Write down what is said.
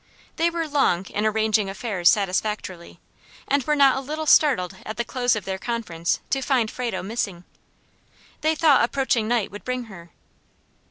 They were long in arranging affairs satisfactorily, and were not a little startled at the close of their conference to find Frado missing. They thought approaching night would bring her.